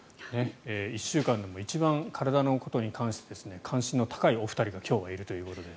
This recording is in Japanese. １週間でも一番、体のことに関して関心が高いお二人が今日はいるということで。